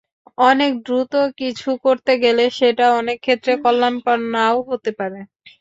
অনেক দ্রুত কিছু করতে গেলে সেটা অনেক ক্ষেত্রে কল্যাণকর না-ও হতে পারে।